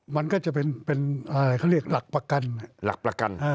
มันก็จะเป็นอะไรเขาเรียกหลักประกัน